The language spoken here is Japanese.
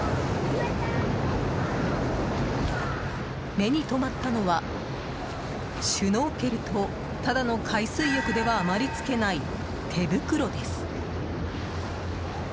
目に留まったのはシュノーケルとただの海水浴ではあまりつけない手袋です。